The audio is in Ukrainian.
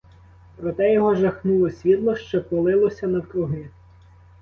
Проте його жахнуло світло, що полилося навкруги.